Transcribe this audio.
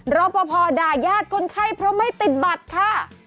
รอปภด่ายาดคนไข้เพราะไม่ติดบัตรค่ะ